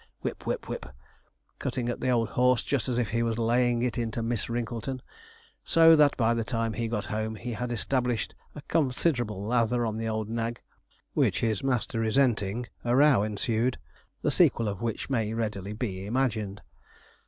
(whip, whip, whip), cutting at the old horse just as if he was laying it into Miss Wrinkleton, so that by the time he got home he had established a considerable lather on the old nag, which his master resenting a row ensued, the sequel of which may readily be imagined.